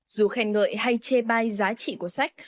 dù khen ngợi hay chê bai giá trị của sách